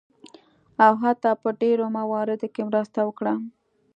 او حتی په ډیرو مواردو کې مرسته وکړله.